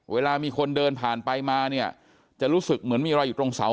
เวลามีคนเดินผ่านไปมาเนี่ยจะรู้สึกเหมือนมีอะไรอยู่ตรงเสา